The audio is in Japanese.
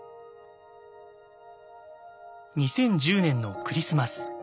２０１０年のクリスマス。